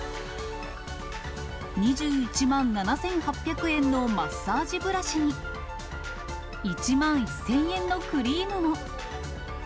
２１万７８００円のマッサージブラシに、１万１０００円のクリームも。